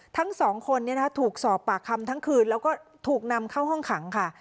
ทั้งสองคนถูกสอบปากคำทั้งคืนแล้วก็ถูกนำเข้าห้องขังค่ะ